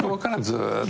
ずーっと。